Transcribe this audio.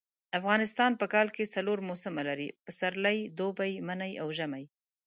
افغانستان په کال کي څلور موسمه لري . پسرلی دوبی منی او ژمی